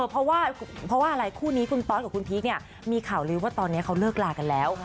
เพราะว่าอะไรคู่นี้คุณตอสกับคุณพีคเนี่ยมีข่าวลื้อว่าตอนนี้เขาเลิกลากันแล้ว